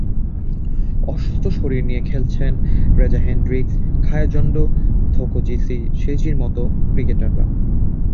অসুস্থ শরীর নিয়ে খেলেছেন রেজা হেনড্রিক্স, খায়া জোন্ডো, থোকোজিসি শেজির মতো ক্রিকেটাররা।